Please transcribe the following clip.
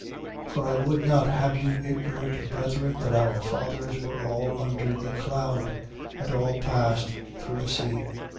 10:1. For I would not have you ignorant, brethren, that our fathers were all under the cloud: and all passed through the sea.